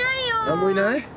何もいない？